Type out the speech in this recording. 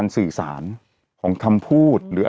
เราก็มีความหวังอะ